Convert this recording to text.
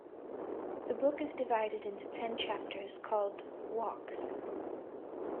The book is divided into ten chapters called "Walks".